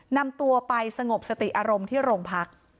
นำตัวไปสงบสติอารมณ์ที่โรงพัก